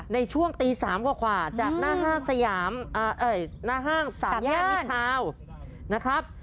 ในช่วงตี๓กว่าจากหน้าห้างสามแย่นมิดเท้านะครับ